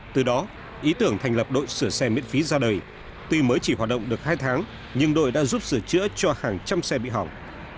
từ đó ý tưởng thành lập đội sửa xe miễn phí ra đời tuy mới chỉ hoạt động được hai tháng nhưng đội đã giúp sửa chữa cho hàng trăm xe bị hỏng